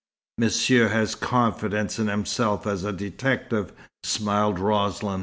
"Monsieur has confidence in himself as a detective," smiled Roslin.